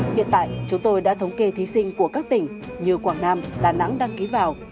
hiện tại chúng tôi đã thống kê thí sinh của các tỉnh như quảng nam đà nẵng đăng ký vào